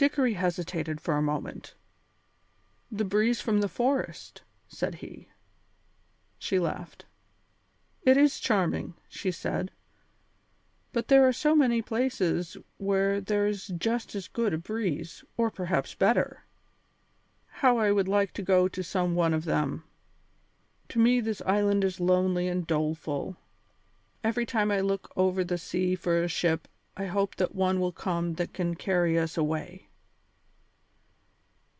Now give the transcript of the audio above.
Dickory hesitated for a moment. "The breeze from the forest," said he. She laughed. "It is charming," she said, "but there are so many places where there is just as good a breeze, or perhaps better. How I would like to go to some one of them! To me this island is lonely and doleful. Every time I look over the sea for a ship I hope that one will come that can carry us away."